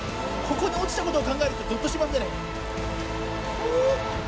ここに落ちたことを考えるとゾッとしますね。